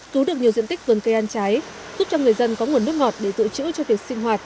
cứu được nhiều diện tích vườn cây ăn trái giúp cho người dân có nguồn nước ngọt để tự chữ cho việc sinh hoạt